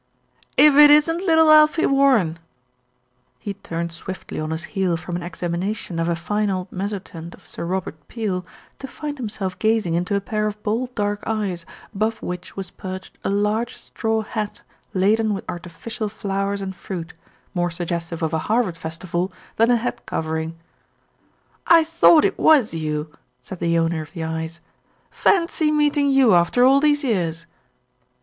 "If it isn't little Alfie Warren!" He turned swiftly on his heel from an examination of a fine old mezzotint of Sir Robert Peel, to find him self gazing into a pair of bold dark eyes above which was perched a large straw hat laden with artificial flowers and fruit, more suggestive of a harvest festival than a head covering. "I thought it was you," said the owner of the eyes. "Fancy meeting you after all these years."